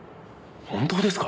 本当ですか？